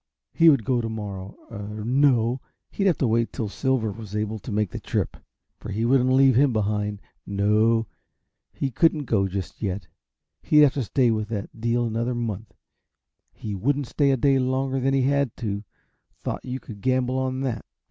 He would go to morrow er no, he'd have to wait till Silver was able to make the trip, for he wouldn't leave him behind. No, he couldn't go just yet he'd have to stay with the deal another month. He wouldn't stay a day longer than he had to, thought you could gamble on that.